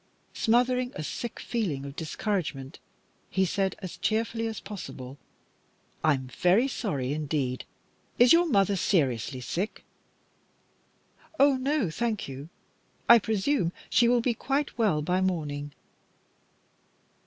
Smothering a sick feeling of discouragement, he said, as cheerfully as possible "I'm very sorry indeed. Is your mother seriously sick?" "Oh no, thank you. I presume she will be quite well by morning."